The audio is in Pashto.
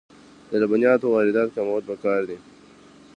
د لبنیاتو واردات کمول پکار دي